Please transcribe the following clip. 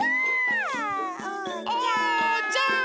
おうちゃん！